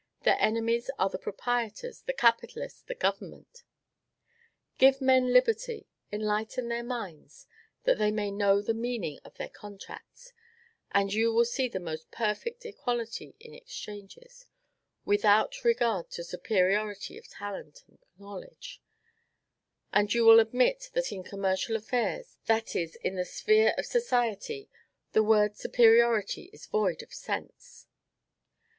Their enemies are the proprietors, the capitalists, the government. Give men liberty, enlighten their minds that they may know the meaning of their contracts, and you will see the most perfect equality in exchanges without regard to superiority of talent and knowledge; and you will admit that in commercial affairs, that is, in the sphere of society, the word superiority is void of sense.